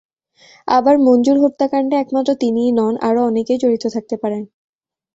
আবার মঞ্জুর হত্যাকাণ্ডে একমাত্র তিনিই নন, আরও অনেকেই জড়িত থাকতে পারেন।